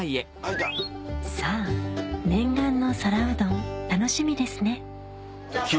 さぁ念願の皿うどん楽しみですねキヨ